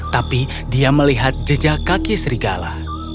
tapi dia melihat jejak kaki serigala